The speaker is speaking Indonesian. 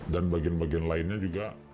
dan bagian bagian lainnya juga